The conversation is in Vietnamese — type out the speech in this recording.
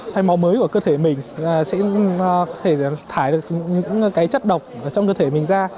thay máu mới của cơ thể mình sẽ thải được những chất độc trong cơ thể mình ra